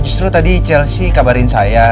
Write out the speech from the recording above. justru tadi chelsea kabarin saya